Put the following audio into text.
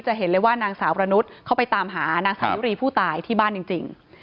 เห็นเลยว่านางสาวประนุษย์เขาไปตามหานางสาวยุรีผู้ตายที่บ้านจริง